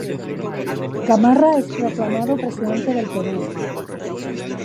Gamarra es proclamado presidente del Perú.